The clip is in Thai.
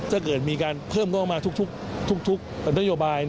ถ้าเกิดมีการเพิ่มโลกมาทุกนโยบาย